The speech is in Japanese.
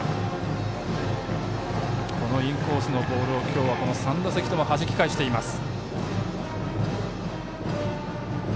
このインコースのボールを今日は３打席ともはじき返しています。